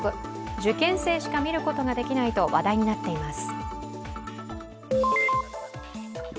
受験生しか見ることができないと話題になっています。